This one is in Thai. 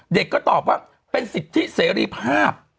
เด็กก็ตอบว่าเป็นสิทธิเสรีภาพ